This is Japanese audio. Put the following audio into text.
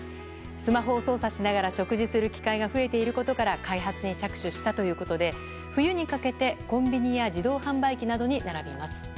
スマホを操作しながら食事する機会が増えていることから開発に着手したということで冬にかけてコンビニや自動販売機などに並びます。